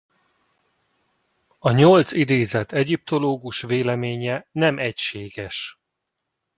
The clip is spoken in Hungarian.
A nyolc idézett egyiptológus véleménye nem egységes.